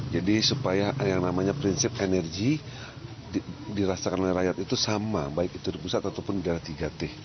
jadi supaya yang namanya prinsip energi dirasakan oleh rakyat itu sama baik itu di pusat ataupun di tiga t